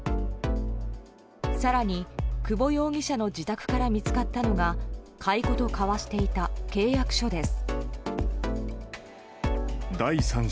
更に、久保容疑者の自宅から見つかったのが買い子と交わしていた契約書です。